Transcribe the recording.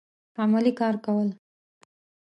عملي کار کول